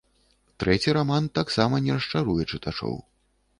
Трэці раман таксама не расчаруе чытачоў.